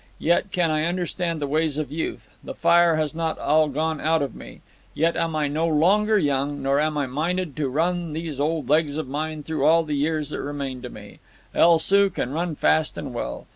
Yet can I understand the ways of youth. The fire has not all gone out of me. Yet am I no longer young, nor am I minded to run these old legs of mine through all the years that remain to me. El Soo can run fast and well.